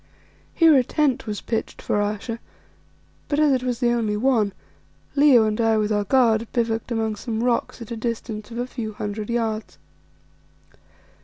Here a tent was pitched for Ayesha, but as it was the only one, Leo and I with our guard bivouacked among some rocks at a distance of a few hundred yards.